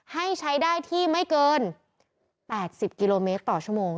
ให้ใช้ได้ที่ไม่เกิน๘๐กิโลเมตรต่อชั่วโมง